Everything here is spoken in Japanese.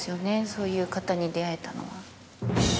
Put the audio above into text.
そういう方に出会えたのは。